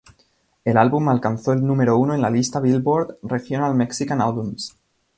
El álbum alcanzó el número uno en la lista "Billboard" Regional Mexican Albums.